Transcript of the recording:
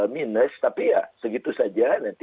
minus tapi ya segitu saja nanti